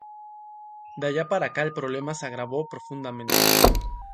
De allá para acá el problema se agravó profundamente.